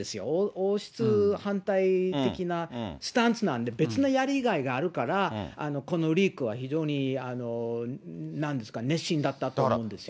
王室反対的なスタンスなんで、別のやりがいがあるから、このリークは非常に熱心だったと思うんですよね。